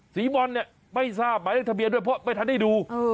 สีบอลเนี่ยไม่ทราบหมายเลขทะเบียนด้วยเพราะไม่ทันได้ดู